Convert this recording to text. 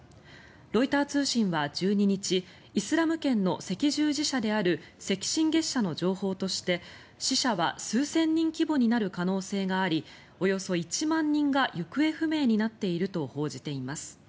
ロイター通信は１２日イスラム圏の赤十字社である赤新月社の情報として死者は数千人規模になる可能性がありおよそ１万人が行方不明になっていると報じています。